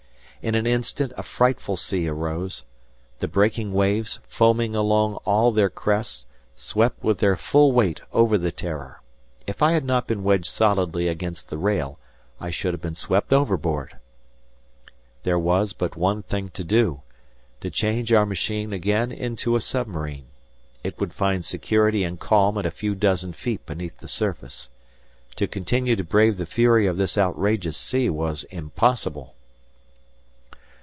In an instant a frightful sea uprose. The breaking waves, foaming along all their crests, swept with their full weight over the "Terror." If I had not been wedged solidly against the rail, I should have been swept overboard! There was but one thing to do—to change our machine again into a submarine. It would find security and calm at a few dozen feet beneath the surface. To continue to brave the fury of this outrageous sea was impossible.